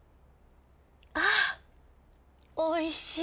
あおいしい。